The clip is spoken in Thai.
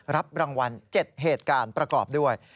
รับรางวัล๗เหตุการณ์ประกอบด้วย